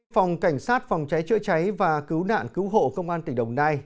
phòng cảnh sát phòng cháy chữa cháy và cứu nạn cứu hộ công an tỉnh đồng nai